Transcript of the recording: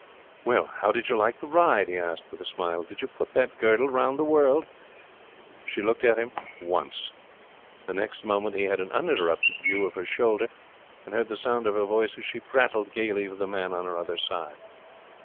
'Well, how did you like the ride?' he asked, with a smile. 'Did you put that girdle round the world?' She looked at him once. The next moment he had an uninterrupted view of her shoulder, and heard the sound of her voice as she prattled gaily to the man on her other side.